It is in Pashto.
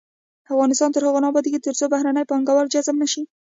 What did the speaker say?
افغانستان تر هغو نه ابادیږي، ترڅو بهرني پانګوال جذب نشي.